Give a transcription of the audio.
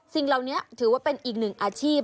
สิ่งเหล่านี้ถือว่าเป็นอีกหนึ่งอาชีพ